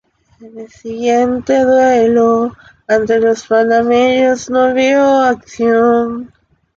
En el siguiente duelo ante los panameños no vio acción.